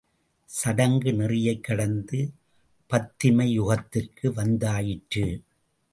சடங்கு நெறியைக் கடந்து பத்திமை யுகத்திற்கு வந்தாயிற்று!